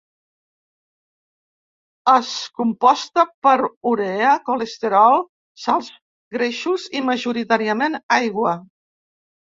És composta per urea, colesterol, sals, greixos i, majoritàriament, aigua.